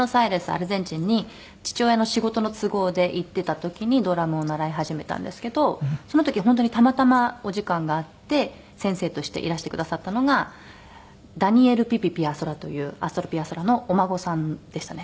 アルゼンチンに父親の仕事の都合で行ってた時にドラムを習い始めたんですけどその時本当にたまたまお時間があって先生としていらしてくださったのがダニエル・ピピ・ピアソラというアストル・ピアソラのお孫さんでしたね。